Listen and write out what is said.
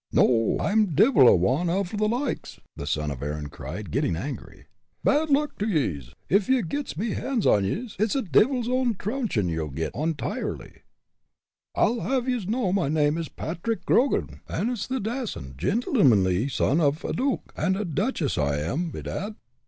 "No, I'm divil a wan av the likes!" the son of Erin cried, getting angry. "Bad luck to yez! ef I gits me hands on yez, it's a divil's own trouncin' you'll get, ontirely. I'll have yez know my name is Patrick Grogan, an' it's the dacent, gintlemonly son av a duke and a duchess I am, bedad."